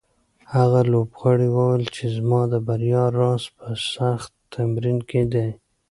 هغه لوبغاړی وویل چې زما د بریا راز په سخت تمرین کې دی.